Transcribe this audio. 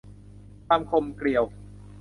ความกลมเกลียว